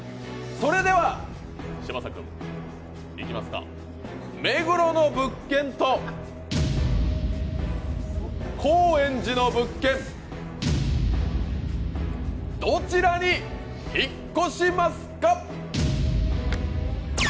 それでは嶋佐君、目黒の物件と高円寺の物件、どちらに引っ越しますか？